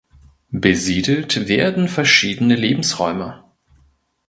Besiedelt werden verschiedene Lebensräume.